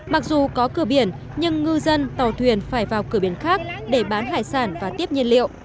mặc dù có cửa biển nhưng ngư dân tàu thuyền phải vào cửa biển khác để bán hải sản và tiếp nhiên liệu